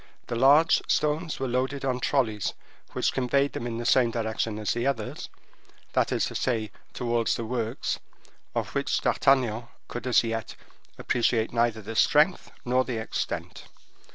The large stones were loaded on trollies which conveyed them in the same direction as the others, that is to say, towards the works, of which D'Artagnan could as yet appreciate neither the strength nor the extent.